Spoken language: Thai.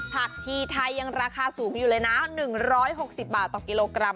ผักชีไทยยังราคาสูงอยู่เลยนะ๑๖๐บาทต่อกิโลกรัม